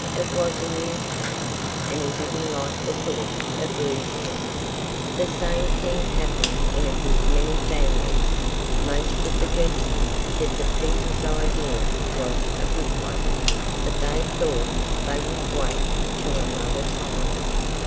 It was a new hat. And he didn't like the thought of losing it. That same thing happened in a good many families. Most of the gentlemen said that Peter's idea was a good one, but they thought they would wait till another time.